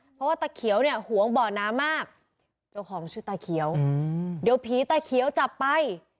เพราะว่าตะเขียวเนี่ยหวงบ่อน้ำมากเจ้าของชื่อตาเขียวเดี๋ยวผีตาเขียวจับไป